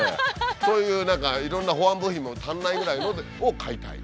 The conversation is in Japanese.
そういう何かいろんな保安部品も足りないぐらいのを買いたい。